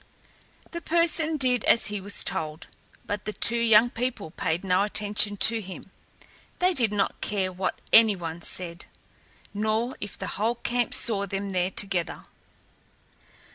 The person did as he was told, but the two young people paid no attention to him. They did not care what any one said, nor if the whole camp saw them there together.